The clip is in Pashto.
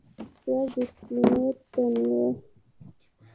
پیاز د سینې تنګوالی کموي